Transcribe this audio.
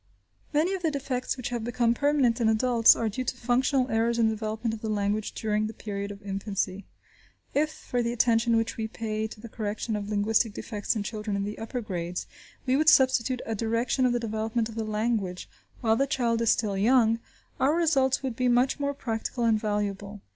Many of the defects which have become permanent in adults are due to functional errors in the development of the language during the period of infancy. If, for the attention which we pay to the correction of linguistic defects in children in the upper grades, we would substitute a direction of the development of the language while the child is still young, our results would be much more practical and valuable.